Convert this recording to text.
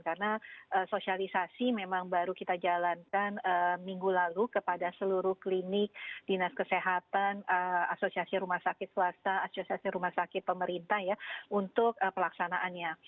karena sosialisasi memang baru kita jalankan minggu lalu kepada seluruh klinik dinas kesehatan asosiasi rumah sakit swasta asosiasi rumah sakit pemerintah ya untuk pelaksanaannya